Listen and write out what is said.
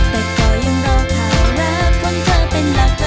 แต่ก็ยังรอข่าวรักของเธอเป็นหลัก